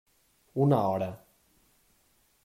Una hora.